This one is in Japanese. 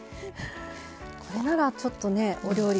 これならちょっとねお料理